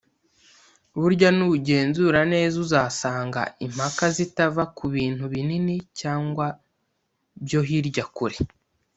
Burya nugenzura neza uzasanga impaka zitava ku bintu binini cyangwa byo hirya kure